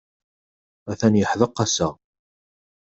Atan yeḥdeq ass-a.